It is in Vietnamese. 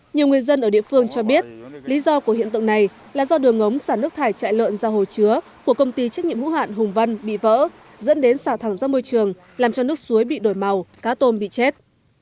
nhiều người dân ở địa phương cho biết lý do của hiện tượng này là do đường ống xả nước thải chạy lợn ra hồ chứa của công ty trách nhiệm hữu hạn hùng vân bị vỡ dẫn đến xả thẳng ra môi trường làm cho nước suối bị đổi màu cá tôm bị chết